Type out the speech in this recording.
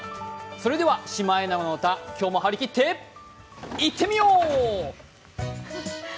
それではシマエナガの歌、今日も張り切っていってみよう。